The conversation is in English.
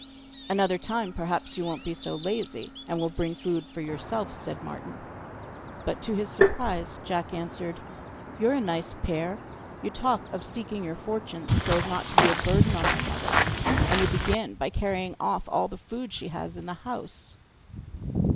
'Another time perhaps you won't be so lazy, and will bring food for yourself,' said Martin, but to his surprise Jack answered: 'You are a nice pair! You talk of seeking your fortunes so as not to be a burden on our mother, and you begin by carrying off all the food she has in the house!